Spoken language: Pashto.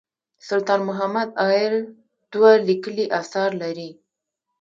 سلطان محمد عايل دوه لیکلي اثار لري.